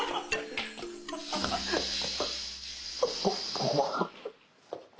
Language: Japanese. こここは？